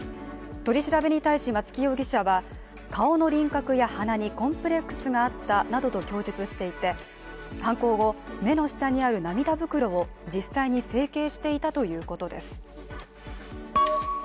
取り調べに対し松木容疑者は、顔の輪郭や鼻にコンプレックスがあったなどと供述していて犯行後、目の下にある涙袋を実際に整形していたということです。